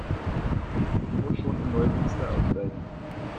Ich muss schon in Neumünster aussteigen